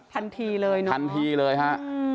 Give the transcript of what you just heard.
พันทีเลยเนอะอืมพันทีเลยฮะ